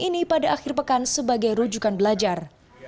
ini pada akhir pekan sebagai rujukan belajar